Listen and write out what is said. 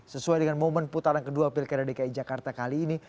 sesuai dengan momen putaran kedua pilkada dki jakarta kali ini